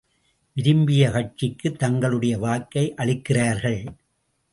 விரும்பிய கட்சிக்குத் தங்களுடைய வாக்கை அளிக்கிறார்கள்.